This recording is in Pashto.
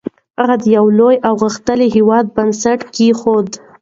هغه د یو لوی او غښتلي هېواد بنسټ کېښود.